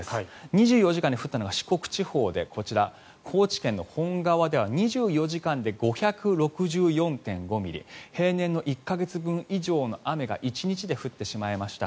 ２４時間で降ったのは四国地方でこちら、高知県の本川では２４時間で５６４．５ミリ平年の１か月分以上の雨が１日で降ってしまいました。